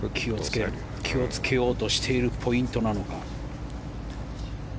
気をつけようとしているポイントなのか。